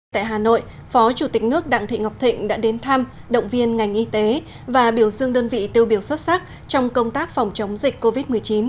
tại hà nội phó chủ tịch nước đặng thị ngọc thịnh đã đến thăm động viên ngành y tế và biểu dương đơn vị tiêu biểu xuất sắc trong công tác phòng chống dịch covid một mươi chín